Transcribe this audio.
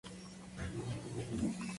Es conocida por interpretar a en "Arrow".